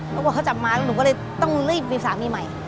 เขาบอกเขาจับมาแล้วหนูก็เลยต้องรีบมีสามีใหม่